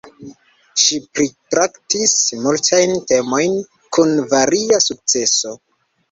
Ŝi pritraktis multajn temojn, kun varia sukceso.